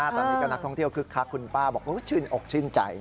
ตอนนี้ก็นักท่องเที่ยวคึกคักคุณป้าบอกชื่นอกชื่นใจ